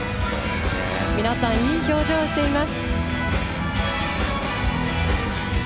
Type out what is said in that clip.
皆さん、いい表情をしています。